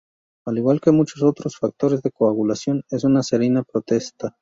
Al igual que muchos otros factores de coagulación, es una serina proteasa.